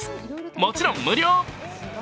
もちろん無料。